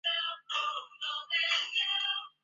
曾居住于魁北克梅戈格镇。